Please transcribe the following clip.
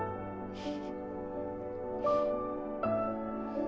フフ。